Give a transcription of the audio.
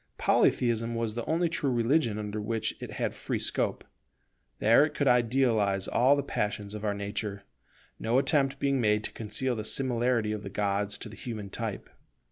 Polytheism was the only religion under which it had free scope: there it could idealize all the passions of our nature, no attempt being made to conceal the similarity of the gods to the human type.